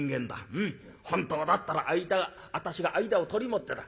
うん本当だったら私が間を取り持ってだ